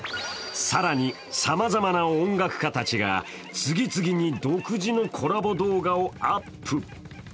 更に、さまざまな音楽家たちが次々に独自のコラボ動画をアップ。